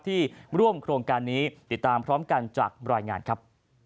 ที่ร่วมโครงการนี้ติดตามพร้อมกันจากรายงานครับ